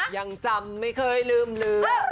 ยังจำไม่เคยลืมลืม